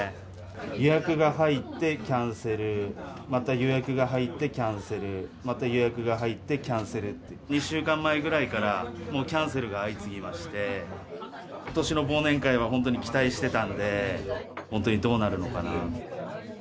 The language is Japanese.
予約が入ってキャンセル、また予約が入ってキャンセル、また予約が入ってキャンセルって、２週間前ぐらいから、もうキャンセルが相次ぎまして、ことしの忘年会は本当に期待してたんで、本当にどうなるのかな。